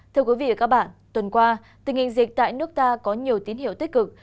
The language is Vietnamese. thưa quý vị và các bạn tuần qua tình hình dịch tại nước ta có nhiều tín hiệu tích cực